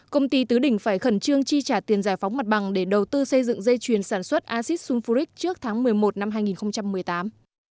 công ty tứ đỉnh phải khẩn trương chi trả tiền giải phóng mặt bằng để đầu tư xây dựng dây chuyền sản xuất acid sulfurich trước tháng một mươi một năm hai nghìn một mươi tám